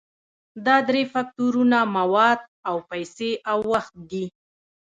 دا درې فکتورونه مواد او پیسې او وخت دي.